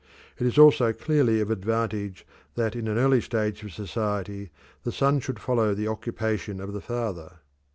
It is also clearly of advantage that in an early stage of society the son should follow the occupation of the father.